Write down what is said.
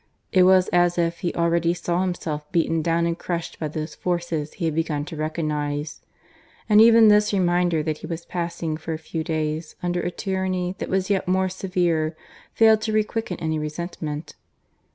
It was as if he already saw himself beaten down and crushed by those forces he had begun to recognize. And even this reminder that he was passing for a few days under a tyranny that was yet more severe failed to requicken any resentment.